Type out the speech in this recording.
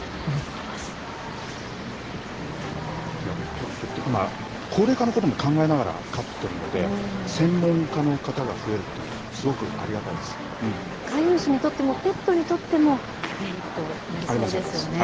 ペットって、今、高齢化のことも考えながら飼ってるので、専門家の方が増えるって飼い主にとっても、ペットにとっても、メリットになりそうですよね。